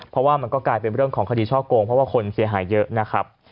เพราะว่ามันก็กลายเป็นเรื่องของคดีช่อโกงเพราะว่าคนเสียหายเยอะนะครับ